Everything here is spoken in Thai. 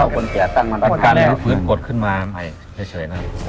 การรนี้ฝืนกดขึ้นมาใหม่เฉยนะครับ